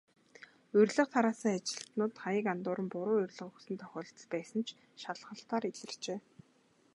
Урилга тараасан ажилтнууд хаяг андууран, буруу урилга өгсөн тохиолдол байсан нь шалгалтаар илэрчээ.